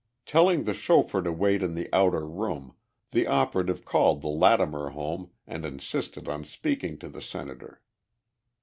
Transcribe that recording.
Telling the chauffeur to wait in the outer room, the operative called the Lattimer home and insisted on speaking to the Senator.